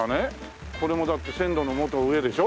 これもだって線路の元上でしょ？